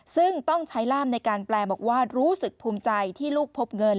ซึ่งต้องใช้ร่ามในการแปลบอกว่ารู้สึกภูมิใจที่ลูกพบเงิน